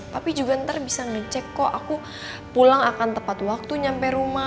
tapi juga ntar bisa ngecek kok aku pulang akan tepat waktu nyampe rumah